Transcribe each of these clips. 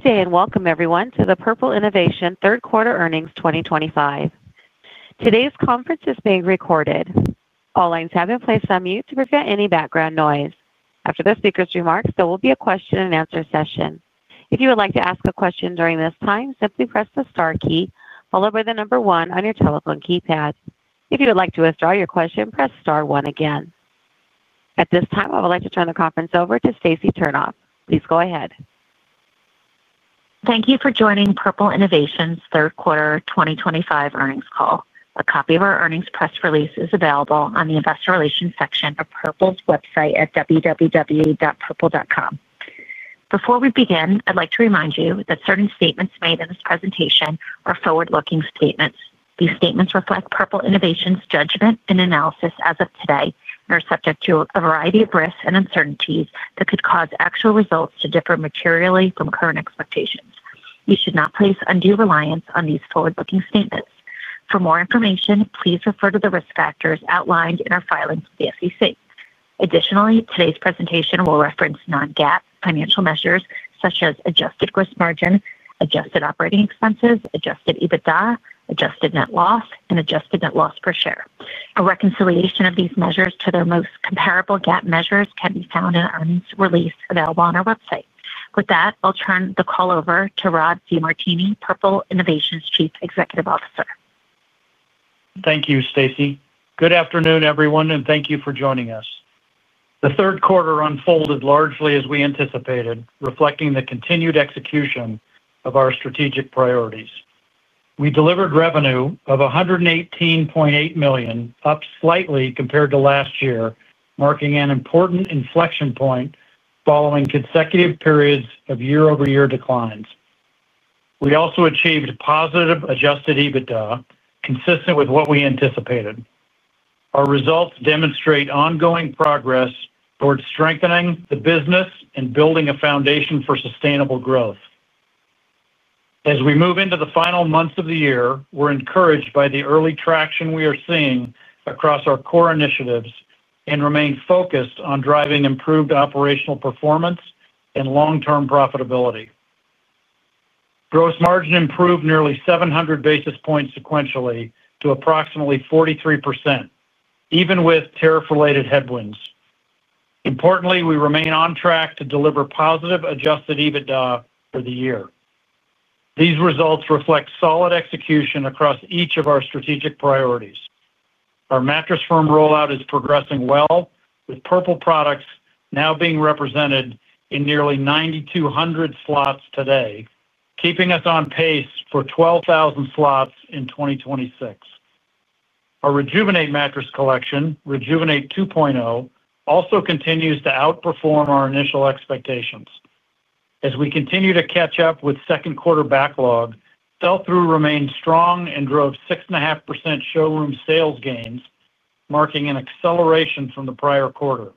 Good day and welcome, everyone, to the Purple Innovation Third Quarter Earnings 2025. Today's conference is being recorded. All lines have been placed on mute to prevent any background noise. After the speaker's remarks, there will be a question-and-answer session. If you would like to ask a question during this time, simply press the star key followed by the number one on your telephone keypad. If you would like to withdraw your question, press star one again. At this time, I would like to turn the conference over to Stacey Turnhoff. Please go ahead. Thank you for joining Purple Innovation's Third Quarter 2025 earnings call. A copy of our earnings press release is available on the Investor Relations section of Purple's website at www.purple.com. Before we begin, I'd like to remind you that certain statements made in this presentation are forward-looking statements. These statements reflect Purple Innovation's judgment and analysis as of today and are subject to a variety of risks and uncertainties that could cause actual results to differ materially from current expectations. You should not place undue reliance on these forward-looking statements. For more information, please refer to the risk factors outlined in our filings with the SEC. Additionally, today's presentation will reference non-GAAP financial measures such as adjusted gross margin, adjusted operating expenses, Adjusted EBITDA, adjusted net loss, and adjusted net loss per share. A reconciliation of these measures to their most comparable GAAP measures can be found in our earnings release available on our website. With that, I'll turn the call over to Rob DeMartini, Purple Innovation's Chief Executive Officer. Thank you, Stacey. Good afternoon, everyone, and thank you for joining us. The third quarter unfolded largely as we anticipated, reflecting the continued execution of our strategic priorities. We delivered revenue of $118.8 million, up slightly compared to last year, marking an important inflection point following consecutive periods of year-over-year declines. We also achieved positive Adjusted EBITDA, consistent with what we anticipated. Our results demonstrate ongoing progress towards strengthening the business and building a foundation for sustainable growth. As we move into the final months of the year, we're encouraged by the early traction we are seeing across our core initiatives and remain focused on driving improved operational performance and long-term profitability. Gross margin improved nearly 700 basis points sequentially to approximately 43%. Even with tariff-related headwinds. Importantly, we remain on track to deliver positive Adjusted EBITDA for the year. These results reflect solid execution across each of our strategic priorities. Our Mattress Firm rollout is progressing well, with Purple products now being represented in nearly 9,200 slots today, keeping us on pace for 12,000 slots in 2026. Our Rejuvenate mattress collection, Rejuvenate 2.0, also continues to outperform our initial expectations. As we continue to catch up with second quarter backlog, sell-through remained strong and drove 6.5% showroom sales gains, marking an acceleration from the prior quarter.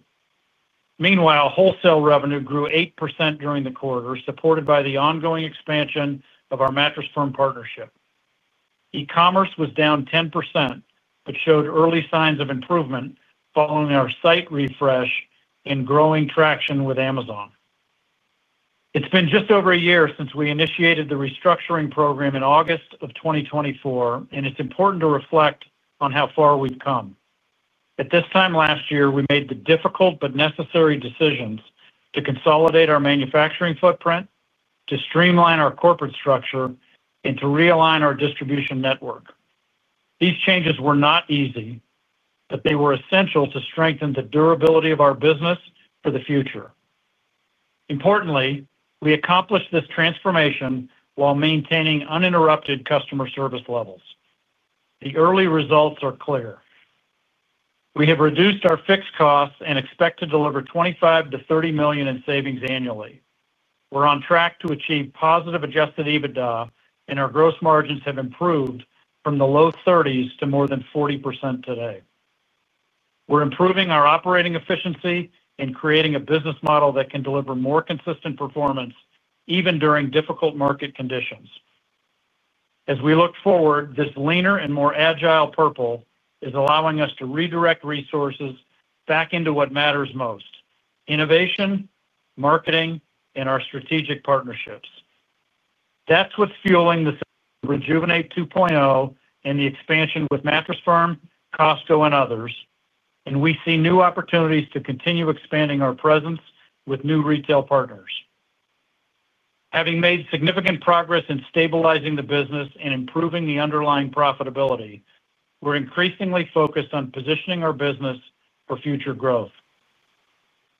Meanwhile, wholesale revenue grew 8% during the quarter, supported by the ongoing expansion of our Mattress Firm partnership. E-commerce was down 10% but showed early signs of improvement following our site refresh and growing traction with Amazon. It's been just over a year since we initiated the restructuring program in August of 2024, and it's important to reflect on how far we've come. At this time last year, we made the difficult but necessary decisions to consolidate our manufacturing footprint, to streamline our corporate structure, and to realign our distribution network. These changes were not easy, but they were essential to strengthen the durability of our business for the future. Importantly, we accomplished this transformation while maintaining uninterrupted customer service levels. The early results are clear. We have reduced our fixed costs and expect to deliver $25-$30 million in savings annually. We're on track to achieve positive Adjusted EBITDA, and our gross margins have improved from the low 30s to more than 40% today. We're improving our operating efficiency and creating a business model that can deliver more consistent performance even during difficult market conditions. As we look forward, this leaner and more agile Purple is allowing us to redirect resources back into what matters most: innovation, marketing, and our strategic partnerships. That's what's fueling the Rejuvenate 2.0 and the expansion with Mattress Firm, Costco, and others, and we see new opportunities to continue expanding our presence with new retail partners. Having made significant progress in stabilizing the business and improving the underlying profitability, we're increasingly focused on positioning our business for future growth.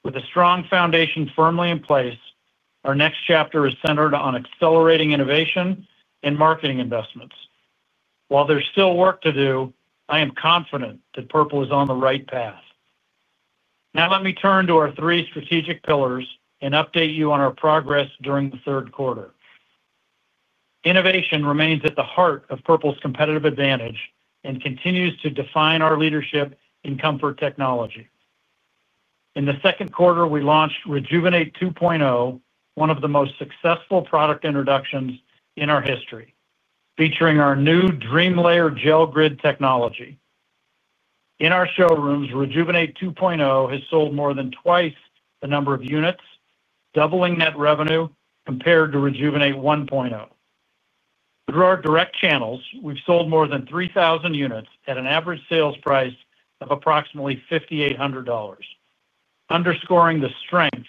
With a strong foundation firmly in place, our next chapter is centered on accelerating innovation and marketing investments. While there's still work to do, I am confident that Purple is on the right path. Now let me turn to our three strategic pillars and update you on our progress during the third quarter. Innovation remains at the heart of Purple's competitive advantage and continues to define our leadership in comfort technology. In the second quarter, we launched Rejuvenate 2.0, one of the most successful product introductions in our history, featuring our new DreamLayer Gel Grid technology. In our showrooms, Rejuvenate 2.0 has sold more than twice the number of units, doubling net revenue compared to Rejuvenate 1.0. Through our direct channels, we've sold more than 3,000 units at an average sales price of approximately $5,800, underscoring the strength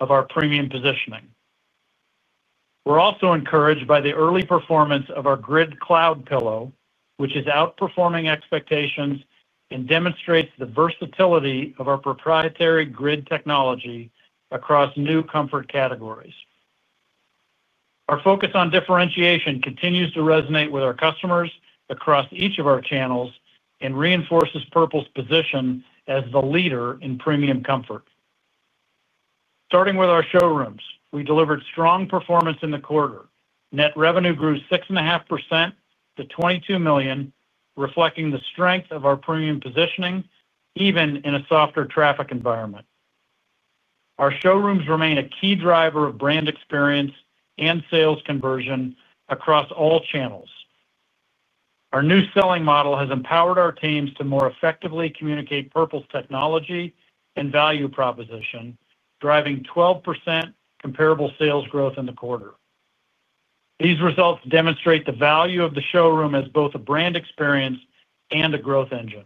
of our premium positioning. We're also encouraged by the early performance of our Grid Cloud Pillow, which is outperforming expectations and demonstrates the versatility of our proprietary grid technology across new comfort categories. Our focus on differentiation continues to resonate with our customers across each of our channels and reinforces Purple's position as the leader in premium comfort. Starting with our showrooms, we delivered strong performance in the quarter. Net revenue grew 6.5% to $22 million, reflecting the strength of our premium positioning even in a softer traffic environment. Our showrooms remain a key driver of brand experience and sales conversion across all channels. Our new selling model has empowered our teams to more effectively communicate Purple's technology and value proposition, driving 12% comparable sales growth in the quarter. These results demonstrate the value of the showroom as both a brand experience and a growth engine.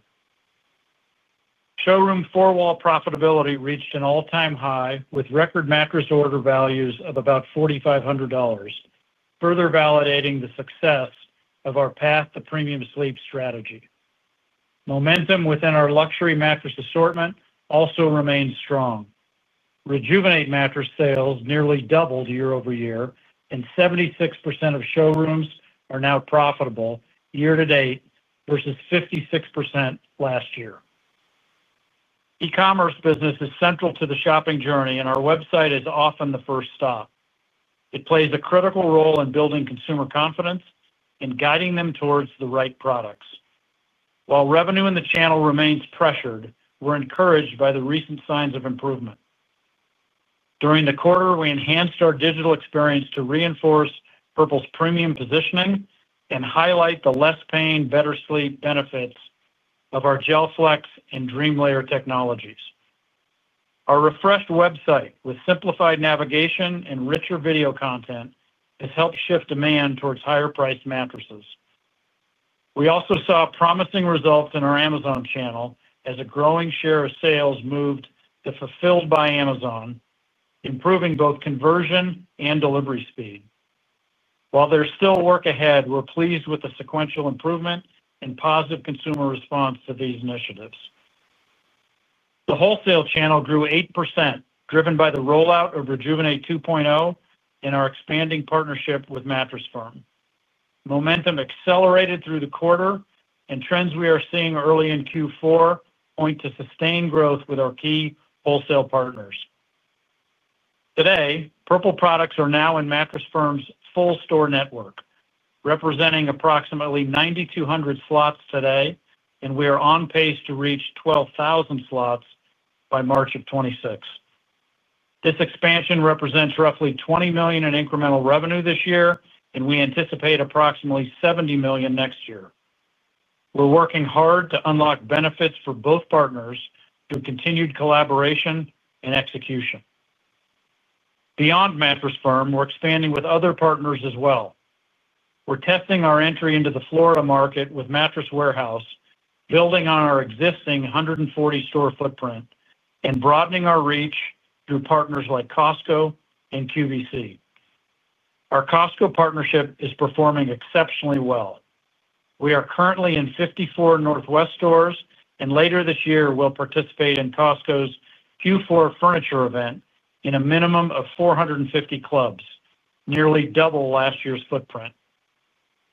Showroom four-wall profitability reached an all-time high with record mattress order values of about $4,500, further validating the success of our path to premium sleep strategy. Momentum within our luxury mattress assortment also remains strong. Rejuvenate mattress sales nearly doubled year-over-year, and 76% of showrooms are now profitable year to date versus 56% last year. E-commerce business is central to the shopping journey, and our website is often the first stop. It plays a critical role in building consumer confidence and guiding them towards the right products. While revenue in the channel remains pressured, we're encouraged by the recent signs of improvement. During the quarter, we enhanced our digital experience to reinforce Purple's premium positioning and highlight the less pain, better sleep benefits of our GelFlex and DreamLayer technologies. Our refreshed website, with simplified navigation and richer video content, has helped shift demand towards higher-priced mattresses. We also saw promising results in our Amazon channel as a growing share of sales moved to Fulfilled by Amazon, improving both conversion and delivery speed. While there's still work ahead, we're pleased with the sequential improvement and positive consumer response to these initiatives. The wholesale channel grew 8%, driven by the rollout of Rejuvenate 2.0 and our expanding partnership with Mattress Firm. Momentum accelerated through the quarter, and trends we are seeing early in Q4 point to sustained growth with our key wholesale partners. Today, Purple products are now in Mattress Firm's full store network. Representing approximately 9,200 slots today, and we are on pace to reach 12,000 slots by March of 2026. This expansion represents roughly $20 million in incremental revenue this year, and we anticipate approximately $70 million next year. We're working hard to unlock benefits for both partners through continued collaboration and execution. Beyond Mattress Firm, we're expanding with other partners as well. We're testing our entry into the Florida market with Mattress Warehouse, building on our existing 140-store footprint and broadening our reach through partners like Costco and QVC. Our Costco partnership is performing exceptionally well. We are currently in 54 Northwest stores, and later this year, we'll participate in Costco's Q4 furniture event in a minimum of 450 clubs, nearly double last year's footprint.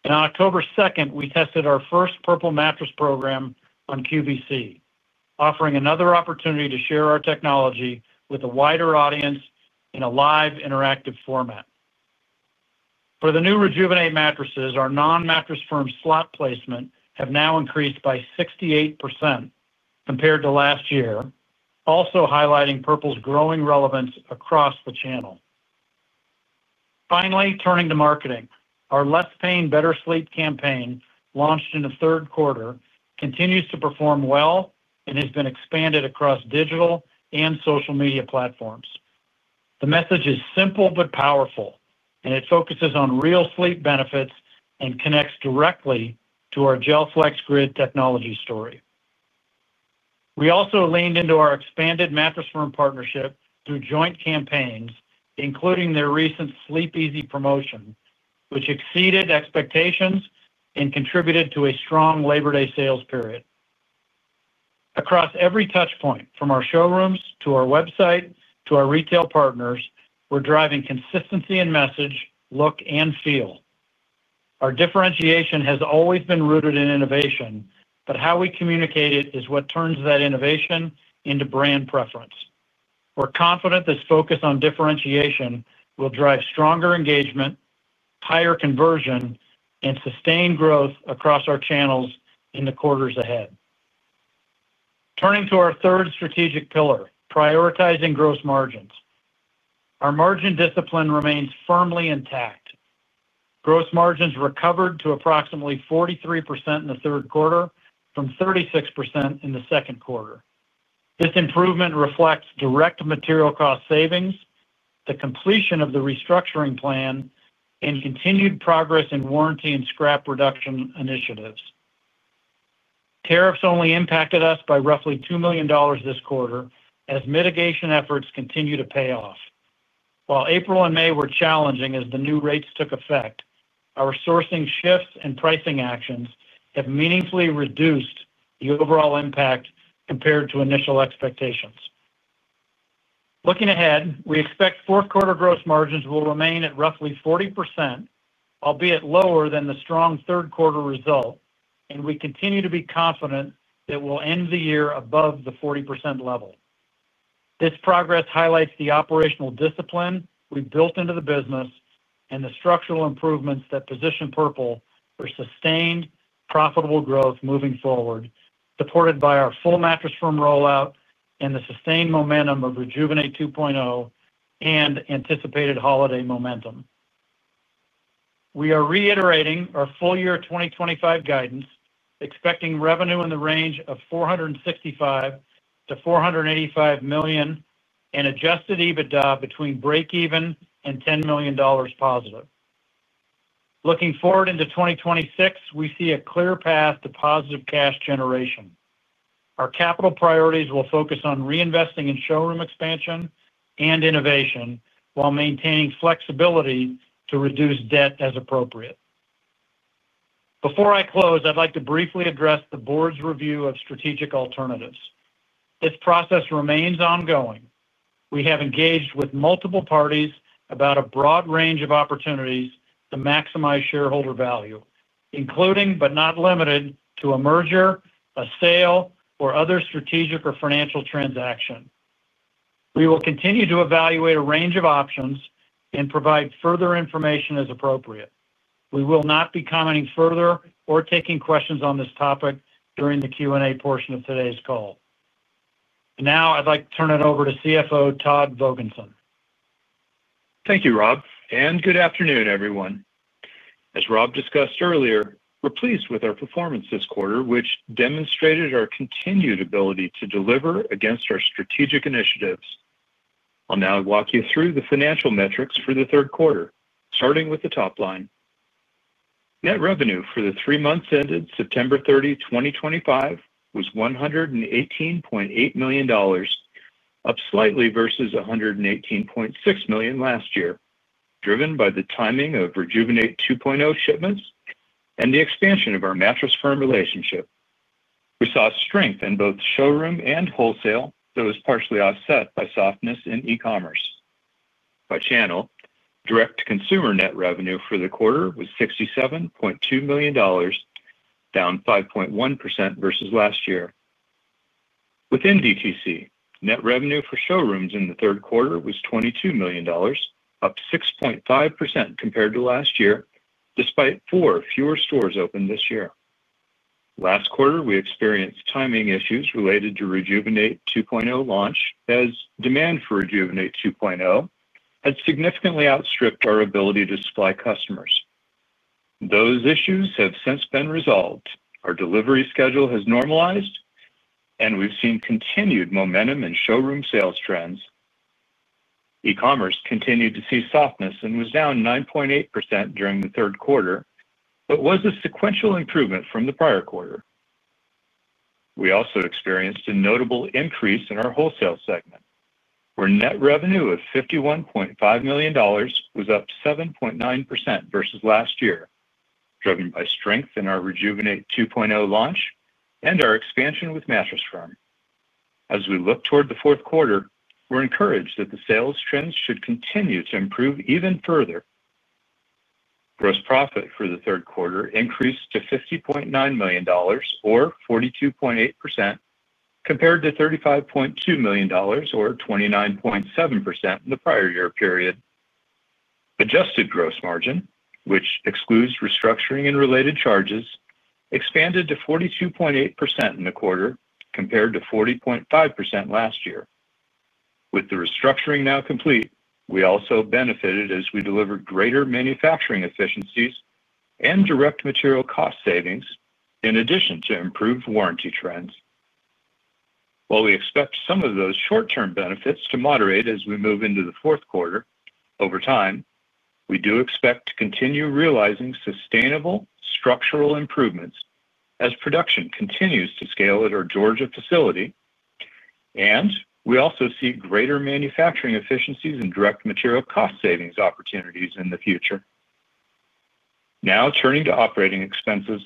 On October 2nd, we tested our first Purple mattress program on QVC, offering another opportunity to share our technology with a wider audience in a live interactive format. For the new Rejuvenate mattresses, our non-Mattress Firm slot placement has now increased by 68%. Compared to last year, also highlighting Purple's growing relevance across the channel. Finally, turning to marketing, our Less Pain, Better Sleep campaign, launched in the third quarter, continues to perform well and has been expanded across digital and social media platforms. The message is simple but powerful, and it focuses on real sleep benefits and connects directly to our GelFlex Grid technology story. We also leaned into our expanded Mattress Firm partnership through joint campaigns, including their recent Sleep Easy promotion, which exceeded expectations and contributed to a strong Labor Day sales period. Across every touchpoint, from our showrooms to our website to our retail partners, we're driving consistency in message, look, and feel. Our differentiation has always been rooted in innovation, but how we communicate it is what turns that innovation into brand preference. We're confident this focus on differentiation will drive stronger engagement, higher conversion, and sustained growth across our channels in the quarters ahead. Turning to our third strategic pillar, prioritizing gross margins. Our margin discipline remains firmly intact. Gross margins recovered to approximately 43% in the third quarter from 36% in the second quarter. This improvement reflects direct material cost savings, the completion of the restructuring plan, and continued progress in warranty and scrap reduction initiatives. Tariffs only impacted us by roughly $2 million this quarter as mitigation efforts continue to pay off. While April and May were challenging as the new rates took effect, our sourcing shifts and pricing actions have meaningfully reduced the overall impact compared to initial expectations. Looking ahead, we expect fourth-quarter gross margins will remain at roughly 40%, albeit lower than the strong third-quarter result, and we continue to be confident that we'll end the year above the 40% level. This progress highlights the operational discipline we've built into the business and the structural improvements that position Purple for sustained, profitable growth moving forward, supported by our full Mattress Firm rollout and the sustained momentum of Rejuvenate 2.0 and anticipated holiday momentum. We are reiterating our full year 2025 guidance, expecting revenue in the range of $465 million-$485 million and Adjusted EBITDA between break-even and $10 million positive. Looking forward into 2026, we see a clear path to positive cash generation. Our capital priorities will focus on reinvesting in showroom expansion and innovation while maintaining flexibility to reduce debt as appropriate. Before I close, I'd like to briefly address the board's review of strategic alternatives. This process remains ongoing. We have engaged with multiple parties about a broad range of opportunities to maximize shareholder value, including but not limited to a merger, a sale, or other strategic or financial transaction. We will continue to evaluate a range of options and provide further information as appropriate. We will not be commenting further or taking questions on this topic during the Q&A portion of today's call. Now, I'd like to turn it over to CFO Todd Vogensen. Thank you, Rob, and good afternoon, everyone. As Rob discussed earlier, we're pleased with our performance this quarter, which demonstrated our continued ability to deliver against our strategic initiatives. I'll now walk you through the financial metrics for the third quarter, starting with the top line. Net revenue for the three months ended September 30, 2025, was $118.8 million. Up slightly versus $118.6 million last year, driven by the timing of Rejuvenate 2.0 shipments and the expansion of our Mattress Firm relationship. We saw strength in both showroom and wholesale, though it was partially offset by softness in e-commerce. By channel, direct-to-consumer net revenue for the quarter was $67.2 million. Down 5.1% versus last year. Within DTC, net revenue for showrooms in the third quarter was $22 million, up 6.5% compared to last year, despite four fewer stores opened this year. Last quarter, we experienced timing issues related to Rejuvenate 2.0 launch, as demand for Rejuvenate 2.0 had significantly outstripped our ability to supply customers. Those issues have since been resolved. Our delivery schedule has normalized, and we've seen continued momentum in showroom sales trends. E-commerce continued to see softness and was down 9.8% during the third quarter but was a sequential improvement from the prior quarter. We also experienced a notable increase in our wholesale segment, where net revenue of $51.5 million was up 7.9% versus last year, driven by strength in our Rejuvenate 2.0 launch and our expansion with Mattress Firm. As we look toward the fourth quarter, we're encouraged that the sales trends should continue to improve even further. Gross profit for the third quarter increased to $50.9 million, or 42.8% compared to $35.2 million, or 29.7% in the prior year period. Adjusted gross margin, which excludes restructuring and related charges, expanded to 42.8% in the quarter compared to 40.5% last year. With the restructuring now complete, we also benefited as we delivered greater manufacturing efficiencies and direct material cost savings, in addition to improved warranty trends. While we expect some of those short-term benefits to moderate as we move into the fourth quarter over time, we do expect to continue realizing sustainable structural improvements as production continues to scale at our Georgia facility. And we also see greater manufacturing efficiencies and direct material cost savings opportunities in the future. Now, turning to operating expenses.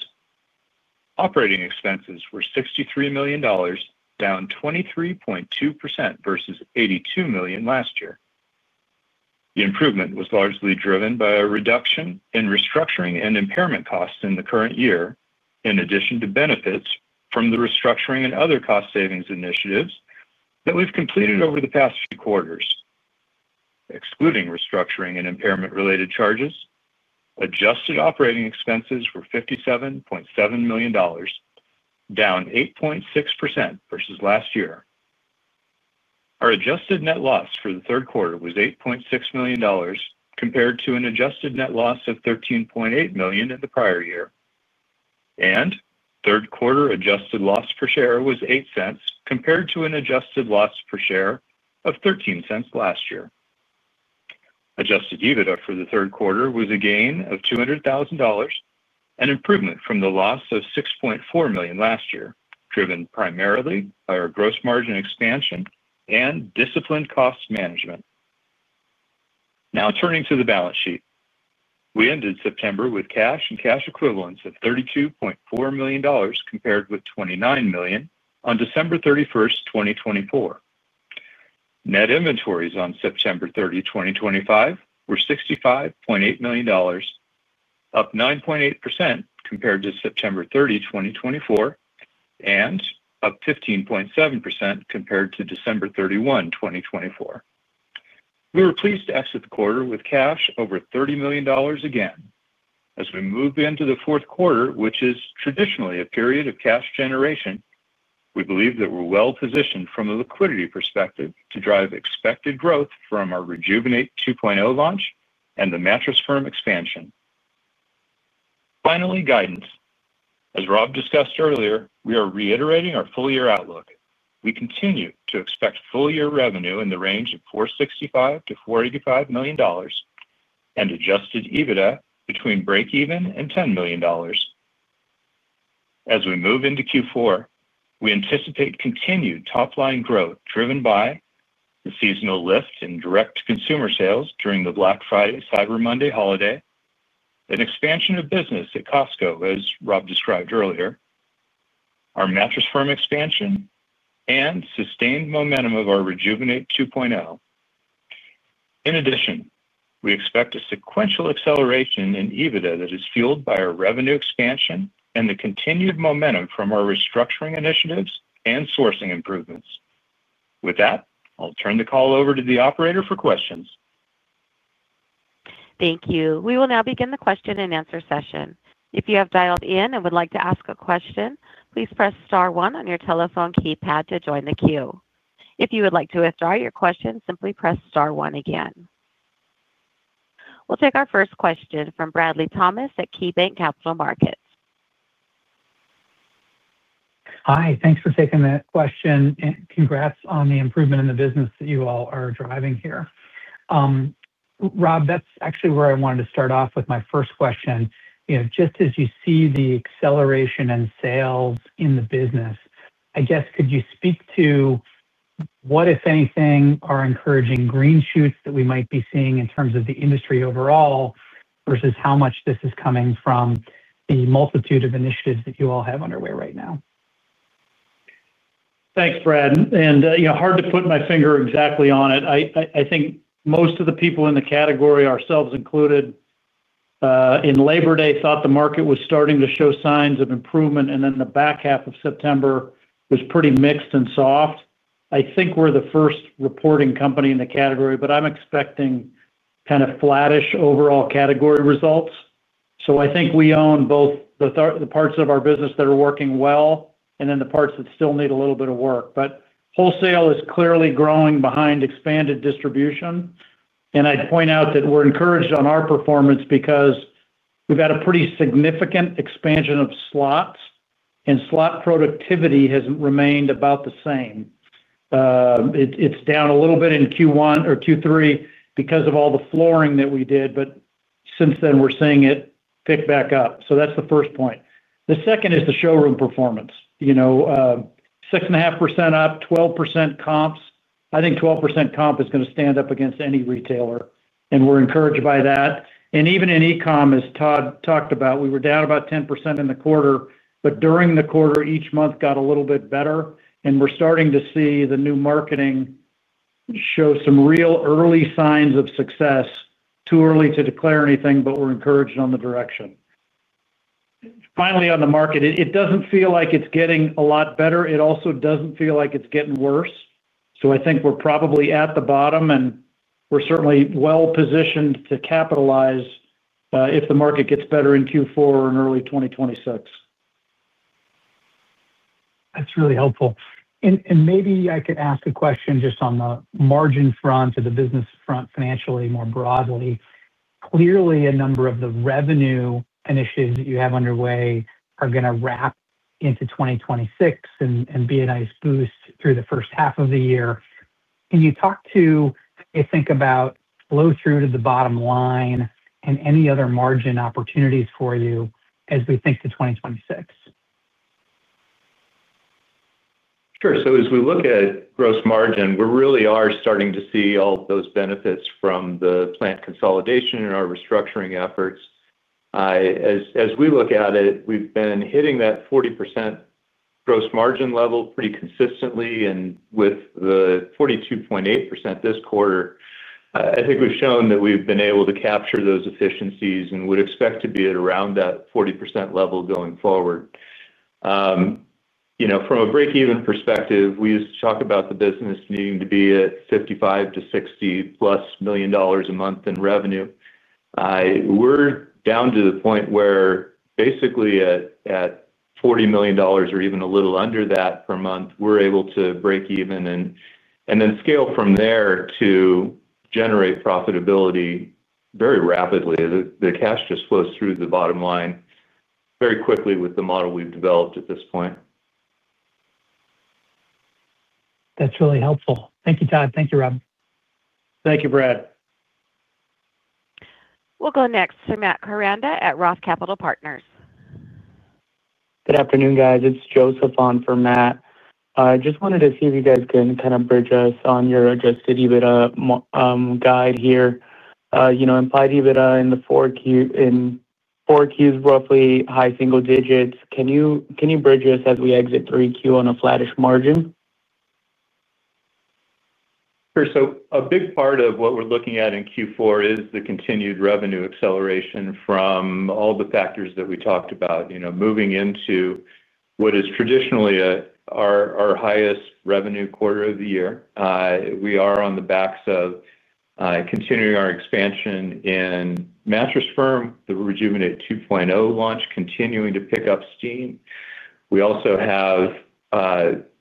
Operating expenses were $63 million, down 23.2% versus $82 million last year. The improvement was largely driven by a reduction in restructuring and impairment costs in the current year, in addition to benefits from the restructuring and other cost savings initiatives that we've completed over the past few quarters. Excluding restructuring and impairment-related charges, adjusted operating expenses were $57.7 million, down 8.6% versus last year. Our adjusted net loss for the third quarter was $8.6 million, compared to an adjusted net loss of $13.8 million in the prior year. And third-quarter adjusted loss per share was $0.08, compared to an adjusted loss per share of $0.13 last year. Adjusted EBITDA for the third quarter was a gain of $200,000, an improvement from the loss of $6.4 million last year, driven primarily by our gross margin expansion and disciplined cost management. Now, turning to the balance sheet, we ended September with cash and cash equivalents of $32.4 million compared with $29 million on December 31, 2024. Net inventories on September 30, 2025, were $65.8 million, up 9.8% compared to September 30, 2024, and up 15.7% compared to December 31, 2024. We were pleased to exit the quarter with cash over $30 million again. As we move into the fourth quarter, which is traditionally a period of cash generation, we believe that we're well-positioned from a liquidity perspective to drive expected growth from our Rejuvenate 2.0 launch and the Mattress Firm expansion. Finally, guidance. As Rob discussed earlier, we are reiterating our full-year outlook. We continue to expect full-year revenue in the range of $465-$485 million, and Adjusted EBITDA between break-even and $10 million. As we move into Q4, we anticipate continued top-line growth driven by the seasonal lift in direct-to-consumer sales during the Black Friday and Cyber Monday holiday, an expansion of business at Costco, as Rob described earlier, our Mattress Firm expansion, and sustained momentum of our Rejuvenate 2.0. In addition, we expect a sequential acceleration in EBITDA that is fueled by our revenue expansion and the continued momentum from our restructuring initiatives and sourcing improvements. With that, I'll turn the call over to the operator for questions. Thank you. We will now begin the question-and-answer session. If you have dialed in and would like to ask a question, please press star one on your telephone keypad to join the queue. If you would like to withdraw your question, simply press star one again. We'll take our first question from Bradley Thomas at KeyBanc Capital Markets. Hi. Thanks for taking that question, and congrats on the improvement in the business that you all are driving here. Rob, that's actually where I wanted to start off with my first question. Just as you see the acceleration in sales in the business, I guess, could you speak to what, if anything, are encouraging green shoots that we might be seeing in terms of the industry overall versus how much this is coming from the multitude of initiatives that you all have underway right now? Thanks, Brad. And hard to put my finger exactly on it. I think most of the people in the category, ourselves included, in Labor Day thought the market was starting to show signs of improvement, and then the back half of September was pretty mixed and soft. I think we're the first reporting company in the category, but I'm expecting kind of flattish overall category results. So I think we own both the parts of our business that are working well and then the parts that still need a little bit of work. But wholesale is clearly growing behind expanded distribution. And I'd point out that we're encouraged on our performance because we've had a pretty significant expansion of slots, and slot productivity has remained about the same. It's down a little bit in Q1 or Q3 because of all the flooring that we did, but since then, we're seeing it pick back up. So that's the first point. The second is the showroom performance. 6.5% up, 12% comps. I think 12% comp is going to stand up against any retailer, and we're encouraged by that. And even in e-comm, as Todd talked about, we were down about 10% in the quarter, but during the quarter, each month got a little bit better, and we're starting to see the new marketing show some real early signs of success. Too early to declare anything, but we're encouraged on the direction. Finally, on the market, it doesn't feel like it's getting a lot better. It also doesn't feel like it's getting worse. So I think we're probably at the bottom, and we're certainly well-positioned to capitalize if the market gets better in Q4 or in early 2026. That's really helpful. And maybe I could ask a question just on the margin front or the business front financially more broadly. Clearly, a number of the revenue initiatives that you have underway are going to wrap into 2026 and be a nice boost through the first half of the year. Can you talk to, I think, about flow-through to the bottom line and any other margin opportunities for you as we think to 2026? Sure. So as we look at gross margin, we really are starting to see all of those benefits from the plant consolidation and our restructuring efforts. As we look at it, we've been hitting that 40% gross margin level pretty consistently and with the 42.8% this quarter. I think we've shown that we've been able to capture those efficiencies and would expect to be at around that 40% level going forward. From a break-even perspective, we used to talk about the business needing to be at $55-$60 million-plus a month in revenue. We're down to the point where basically at $40 million or even a little under that per month, we're able to break even and then scale from there to generate profitability very rapidly. The cash just flows through the bottom line very quickly with the model we've developed at this point. That's really helpful. Thank you, Todd. Thank you, Rob. Thank you, Brad. We'll go next to Matt Koranda at ROTH Capital Partners. Good afternoon, guys. It's Joseph on for Matt. I just wanted to see if you guys can kind of bridge us on your Adjusted EBITDA guide here. Implied EBITDA in the 4Q is roughly high single digits. Can you bridge us as we exit 3Q on a flattish margin? Sure. So a big part of what we're looking at in 4Q is the continued revenue acceleration from all the factors that we talked about, moving into what is traditionally our highest revenue quarter of the year. We are on the backs of continuing our expansion in Mattress Firm, the Rejuvenate 2.0 launch, continuing to pick up steam. We also have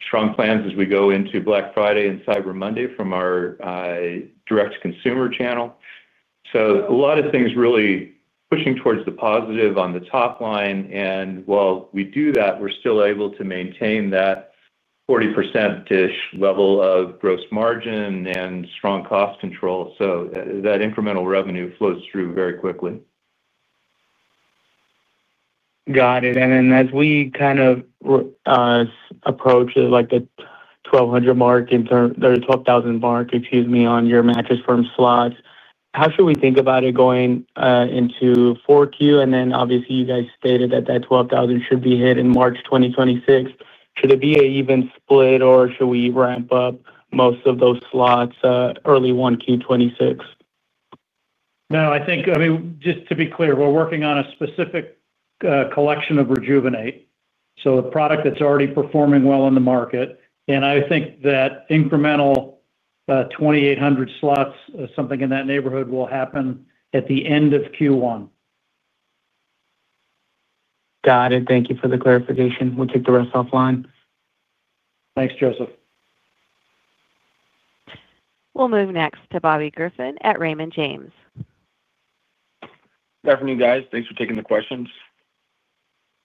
strong plans as we go into Black Friday and Cyber Monday from our direct-to-consumer channel. So a lot of things really pushing towards the positive on the top line. And while we do that, we're still able to maintain that 40%-ish level of gross margin and strong cost control. So that incremental revenue flows through very quickly. Got it. And then as we kind of approach the 1,200 mark or 12,000 mark, excuse me, on your Mattress Firm slots, how should we think about it going into 4Q? And then, obviously, you guys stated that that 12,000 should be hit in March 2026. Should it be an even split, or should we ramp up most of those slots early 1Q26? No, I mean, just to be clear, we're working on a specific collection of Rejuvenate, so a product that's already performing well in the market. And I think that incremental 2,800 slots, something in that neighborhood, will happen at the end of 1Q. Got it. Thank you for the clarification. We'll take the rest offline. Thanks, Joseph. We'll move next to Bobby Griffin at Raymond James. Good afternoon, guys. Thanks for taking the questions.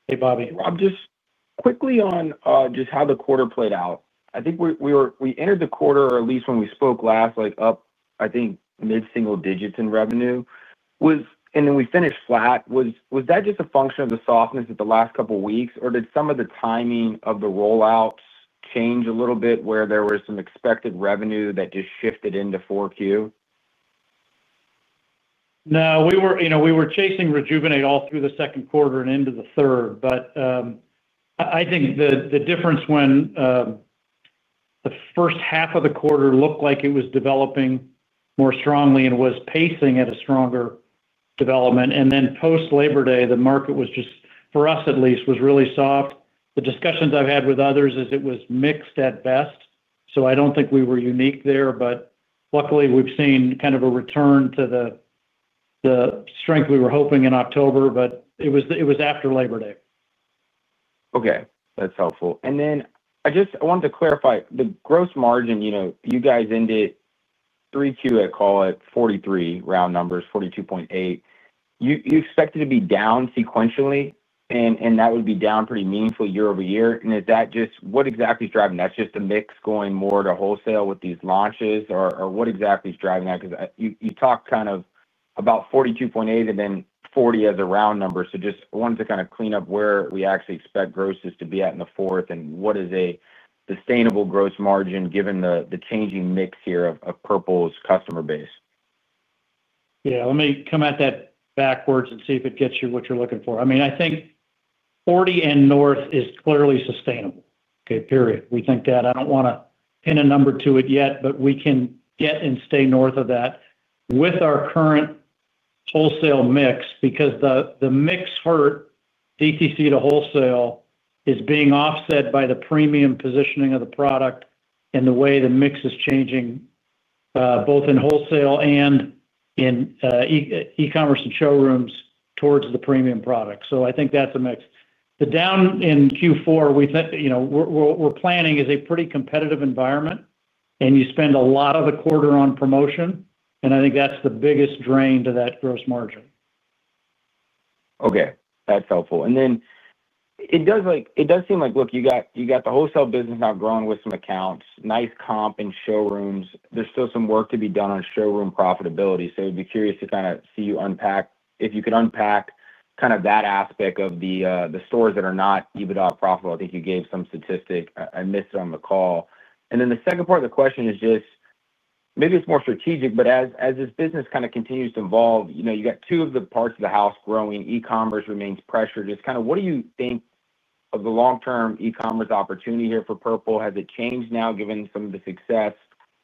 Hey, Bobby. Rob, just quickly on just how the quarter played out. I think we entered the quarter, or at least when we spoke last, up, I think, mid-single digits in revenue. And then we finished flat. Was that just a function of the softness of the last couple of weeks, or did some of the timing of the rollouts change a little bit where there was some expected revenue that just shifted into 4Q? No, we were chasing Rejuvenate all through the second quarter and into the third. But. I think the difference when. The first half of the quarter looked like it was developing more strongly and was pacing at a stronger development, and then post-Labor Day, the market was just, for us at least, was really soft. The discussions I've had with others is it was mixed at best. So I don't think we were unique there, but luckily, we've seen kind of a return to the. Strength we were hoping in October, but it was after Labor Day. Okay. That's helpful. And then I wanted to clarify the gross margin. You guys ended. 3Q at, call it, 43% round numbers, 42.8%. You expected to be down sequentially, and that would be down pretty meaningful year-over-year. And is that just what exactly is driving that? Just a mix going more to wholesale with these launches, or what exactly is driving that? Because you talked kind of about 42.8% and then 40% as a round number. So just wanted to kind of clean up where we actually expect grosses to be at in the fourth and what is a sustainable gross margin given the changing mix here of Purple's customer base. Yeah. Let me come at that backwards and see if it gets you what you're looking for. I mean, I think. 40% and north is clearly sustainable, okay, period. We think that. I don't want to pin a number to it yet, but we can get and stay north of that with our current. Wholesale mix because the mix hurt DTC to wholesale is being offset by the premium positioning of the product and the way the mix is changing. Both in wholesale and. In e-commerce and showrooms towards the premium product. So I think that's a mix. The down in Q4, we're planning is a pretty competitive environment, and you spend a lot of the quarter on promotion, and I think that's the biggest drain to that gross margin. Okay. That's helpful. And then it does seem like, look, you got the wholesale business now growing with some accounts, nice comp in showrooms. There's still some work to be done on showroom profitability. So I would be curious to kind of see you unpack, if you could unpack kind of that aspect of the stores that are not EBITDA profitable. I think you gave some statistic. I missed it on the call. And then the second part of the question is just. Maybe it's more strategic, but as this business kind of continues to evolve, you got two of the parts of the house growing. E-commerce remains pressured. Just kind of what do you think of the long-term e-commerce opportunity here for Purple? Has it changed now given some of the success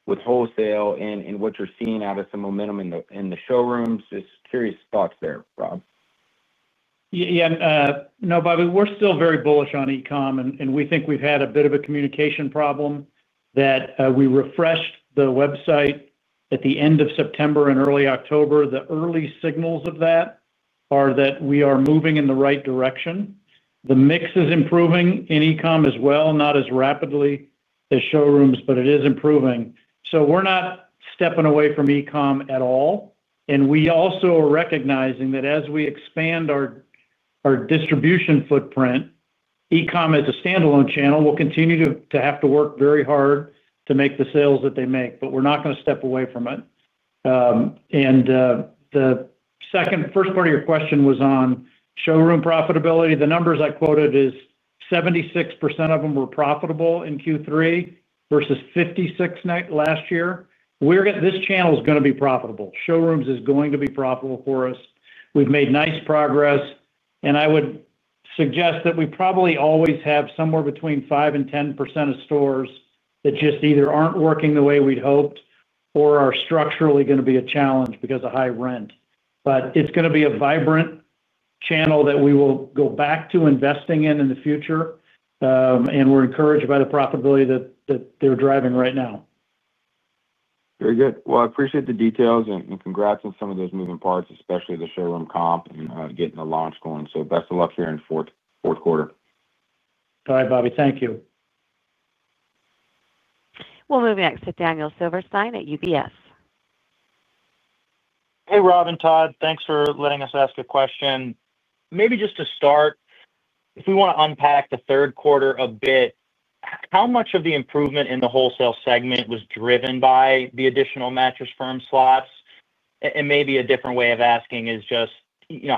with wholesale and what you're seeing out of some momentum in the showrooms? Just curious thoughts there, Rob. Yeah. No, Bobby, we're still very bullish on e-com, and we think we've had a bit of a communication problem that we refreshed the website at the end of September and early October. The early signals of that are that we are moving in the right direction. The mix is improving in e-com as well, not as rapidly as showrooms, but it is improving. So we're not stepping away from e-com at all. And we also are recognizing that as we expand our distribution footprint, e-com as a standalone channel will continue to have to work very hard to make the sales that they make, but we're not going to step away from it. And the first part of your question was on showroom profitability. The numbers I quoted is 76% of them were profitable in Q3 versus 56% last year. This channel is going to be profitable. Showrooms is going to be profitable for us. We've made nice progress. And I would suggest that we probably always have somewhere between 5% and 10% of stores that just either aren't working the way we'd hoped or are structurally going to be a challenge because of high rent. But it's going to be a vibrant channel that we will go back to investing in in the future. And we're encouraged by the profitability that they're driving right now. Very good. Well, I appreciate the details and congrats on some of those moving parts, especially the showroom comp and getting the launch going. So best of luck here in fourth quarter. All right, Bobby. Thank you. We'll move next to Daniel Silverstein at UBS. Hey, Rob and Todd. Thanks for letting us ask a question. Maybe just to start. If we want to unpack the third quarter a bit, how much of the improvement in the wholesale segment was driven by the additional Mattress Firm slots? And maybe a different way of asking is just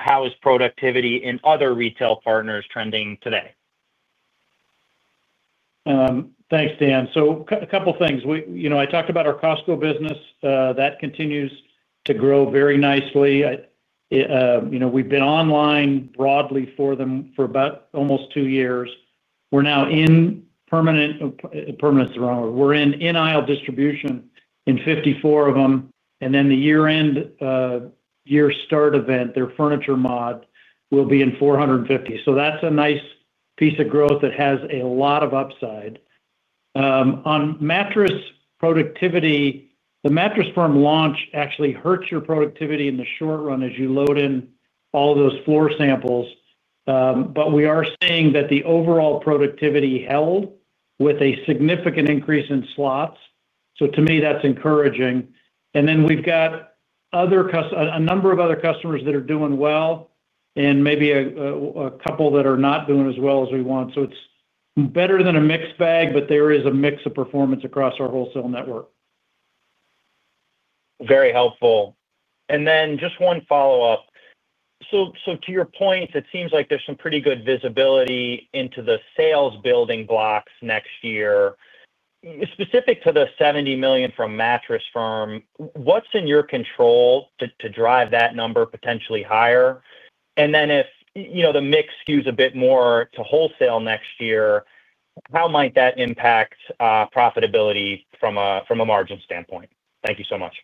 how is productivity in other retail partners trending today? Thanks, Dan. So a couple of things. I talked about our Costco business. That continues to grow very nicely. We've been online broadly for them for about almost two years. We're now in permanent—Permanent's the wrong word—We're in in-aisle distribution in 54 of them. And then the year-end year start event, their furniture mod, will be in 450. So that's a nice piece of growth that has a lot of upside. On mattress productivity, the Mattress Firm launch actually hurts your productivity in the short run as you load in all those floor samples. But we are seeing that the overall productivity held with a significant increase in slots. So to me, that's encouraging. And then we've got a number of other customers that are doing well. And maybe a couple that are not doing as well as we want. So it's better than a mixed bag, but there is a mix of performance across our wholesale network. Very helpful. And then just one follow-up. So to your point, it seems like there's some pretty good visibility into the sales-building blocks next year. Specific to the $70 million from Mattress Firm, what's in your control to drive that number potentially higher? And then if the mix skews a bit more to wholesale next year, how might that impact profitability from a margin standpoint? Thank you so much.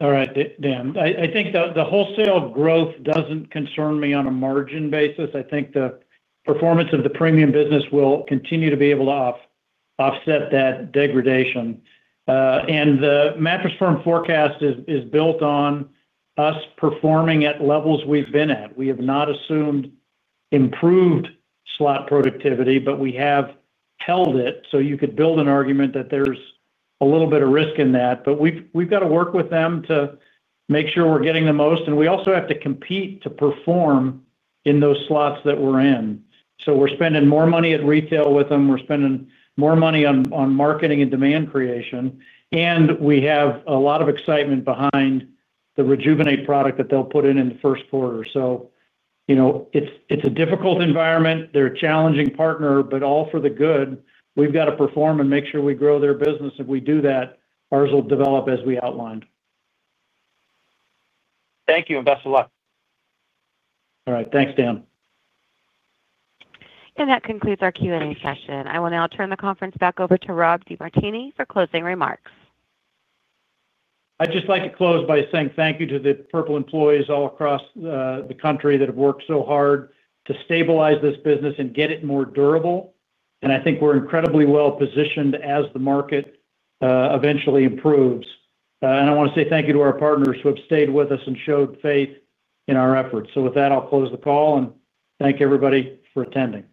All right, Dan. I think the wholesale growth doesn't concern me on a margin basis. I think the performance of the premium business will continue to be able to offset that degradation. And the Mattress Firm forecast is built on us performing at levels we've been at. We have not assumed improved slot productivity, but we have held it. So you could build an argument that there's a little bit of risk in that. But we've got to work with them to make sure we're getting the most. And we also have to compete to perform in those slots that we're in. So we're spending more money at retail with them. We're spending more money on marketing and demand creation. And we have a lot of excitement behind the Rejuvenate product that they'll put in in the first quarter. So it's a difficult environment. They're a challenging partner, but all for the good. We've got to perform and make sure we grow their business. If we do that, ours will develop as we outlined. Thank you, and best of luck. All right. Thanks, Dan. And that concludes our Q&A session. I will now turn the conference back over to Rob DeMartini for closing remarks. I'd just like to close by saying thank you to the Purple employees all across the country that have worked so hard to stabilize this business and get it more durable. And I think we're incredibly well positioned as the market eventually improves. And I want to say thank you to our partners who have stayed with us and showed faith in our efforts. So with that, I'll close the call and thank everybody for attending.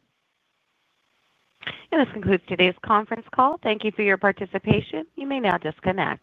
And this concludes today's conference call. Thank you for your participation. You may now disconnect.